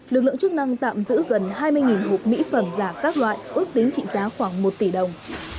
lực lượng chức năng tạm giữ gần hai mươi hộp mỹ phẩm giả các loại ước tính trị giá khoảng một tỷ đồng